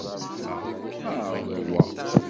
Ԑreḍ wa.